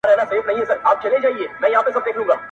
• چي به ستړی سو او تګ به یې کرار سو -